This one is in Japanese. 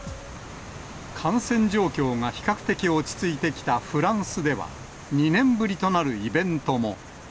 感染状況が比較的落ち着いてきたフランスでは、２年ぶりとなるイベントも。